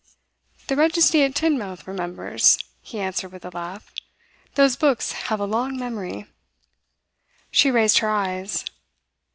'The registry at Teignmouth remembers,' he answered with a laugh. 'Those books have a long memory.' She raised her eyes.